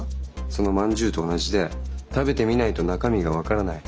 そのまんじゅうと同じで食べてみないと中身が分からない。